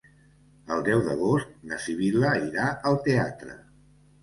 El deu d'agost na Sibil·la irà al teatre.